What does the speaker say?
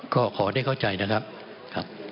ก็ขอได้เข้าใจนะครับ